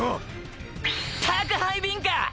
宅配便か！！